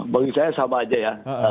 bagi saya sama aja ya